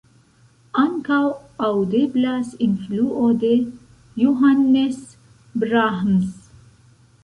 Ankaŭ aŭdeblas influo de Johannes Brahms.